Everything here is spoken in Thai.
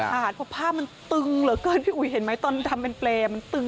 อาหารผักผ้ามันตึงเหลือเกินพี่อุ๋ยเห็นไหมตอนทำเป็นเปลมันตึง